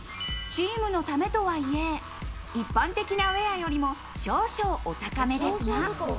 チームのためとはいえ、一般的なウェアよりも少々お高めですが。